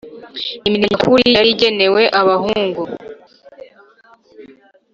Imirimo nyakuri yari igenewe abahungu